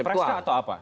bila presiden atau apa